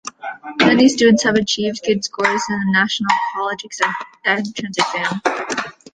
Many students have achieved good scores in the national college entrance exam.